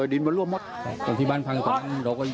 โดนไม่ทันเลยกะไม่ทันเลยอย่างที่นอนเลย